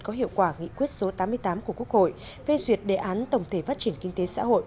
có hiệu quả nghị quyết số tám mươi tám của quốc hội về duyệt đề án tổng thể phát triển kinh tế xã hội